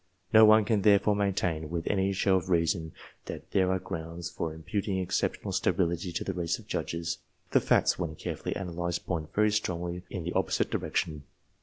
No one can therefore maintain, with any show of reason, that there are grounds for imputing exceptional sterility to the race of j udges. The facts, when carefully analysed, point very strongly in the opposite direction.